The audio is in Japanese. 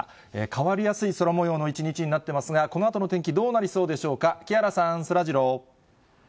変わりやすい空もようの一日になってますが、このあとの天気、どうなりそうでしょうか、木原さん、そらジロー。